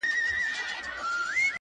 o د کلي سپی یې ـ د کلي خان دی ـ